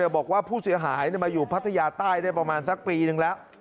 บอกว่าผู้เสียหายมาอยู่พัทยาใต้ได้ประมาณสักปีนึงแล้ว